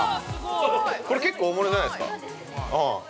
これ結構大物じゃないですか。